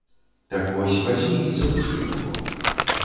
Так вось вазьмі і задушы яго.